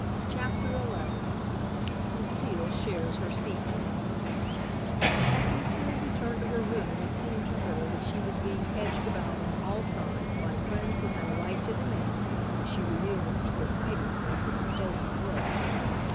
CHAPTER XI LUCILE SHARES HER SECRET As Lucile returned to her room it seemed to her that she was being hedged about on all sides by friends who had a right to demand that she reveal the secret hiding place of the stolen books.